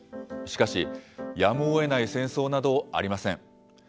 しかし、やむをえない戦争などありません。